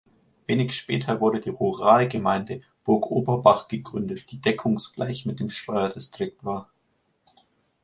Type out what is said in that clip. Wenig später wurde die Ruralgemeinde Burgoberbach gegründet, die deckungsgleich mit dem Steuerdistrikt war.